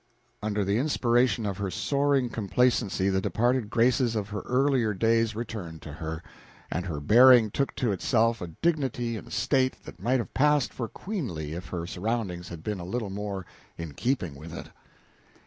Under the inspiration of her soaring complacency the departed graces of her earlier days returned to her, and her bearing took to itself a dignity and state that might have passed for queenly if her surroundings had been a little more in keeping with it.